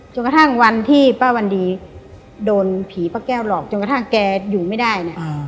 กระทั่งวันที่ป้าวันดีโดนผีป้าแก้วหลอกจนกระทั่งแกอยู่ไม่ได้เนี่ย